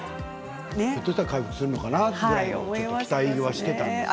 ひょっとしたら回復するのかなぐらいの期待をしていたんです。